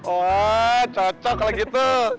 oh cocok kalau gitu